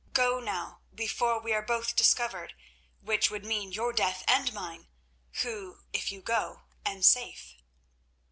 Go, now, before we are both discovered, which would mean your death and mine, who, if you go, am safe.